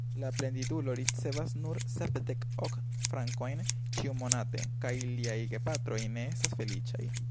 La plendidulo ricevas nur sepdek ok frankojn ĉiumonate, kaj liaj gepatroj ne estas feliĉaj.